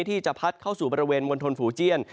ที่จะพัดเข้าสู่บริเวณมณฑลฝูเจียน